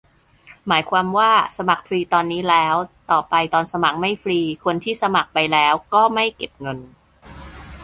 หมายความว่า สมัครฟรีตอนนี้แล้ว ต่อไปตอนสมัครไม่ฟรี คนที่สมัครไปแล้วก็ไม่เก็บเงิน ?